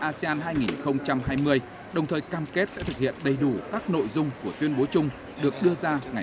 asean hai nghìn hai mươi đồng thời cam kết sẽ thực hiện đầy đủ các nội dung của tuyên bố chung được đưa ra ngày hôm nay